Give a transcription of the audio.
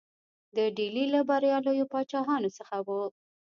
د ډهلي له بریالیو پاچاهانو څخه وو.